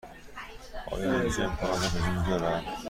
آیا اینجا امکانات آشپزی وجود دارد؟